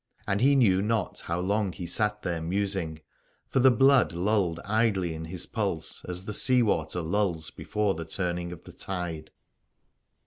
And he knew not how long he sat there musing : for the blood lulled idly in his pulse as the sea water lulls before the turning of the tide.